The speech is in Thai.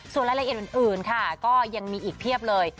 ส่วนรายละเอียดอื่นค่ะก็ยังมีอีกเพียบเลย